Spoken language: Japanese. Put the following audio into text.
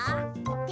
で？